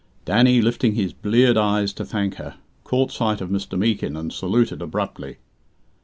Danny, lifting his bleared eyes to thank her, caught sight of Mr. Meekin, and saluted abruptly.